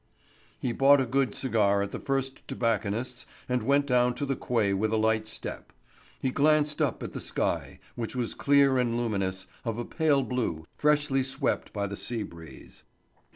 He bought a good cigar at the first tobacconist's and went down to the quay with a light step. He glanced up at the sky, which was clear and luminous, of a pale blue, freshly swept by the sea breeze.